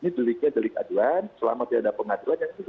ini deliknya delik aduan selama tidak ada pengadilan